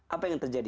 apa yang terjadi